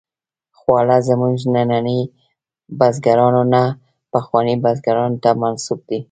خواړه زموږ ننني بزګرانو نه، پخوانیو بزګرانو ته منسوب دي.